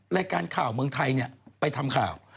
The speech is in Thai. รายการข่าวเมืองไทยไปทำข่าว